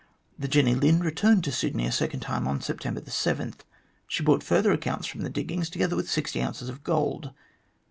The Jenny Lind returned to Sydney a second time on September 7. She brought further accounts from the diggings, together with sixty ounces of gold.